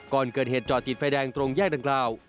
ก่อนเกิดเหตุจอดติดไฟแดงตรงแยกดังกล่าว